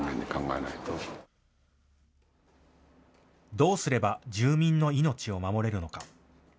どうすれば住民の命を守れるのか。